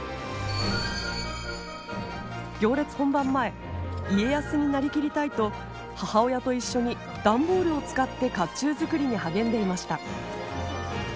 行列本番前家康に成りきりたいと母親と一緒に段ボールを使って甲冑作りに励んでいました。